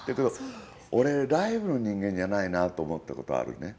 俺、ライブの人間じゃないなと思ったことあるね。